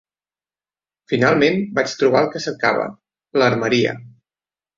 Finalment vaig trobar el que cercava: l'armeria